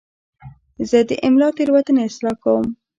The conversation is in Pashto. زه د املا تېروتنې اصلاح کوم.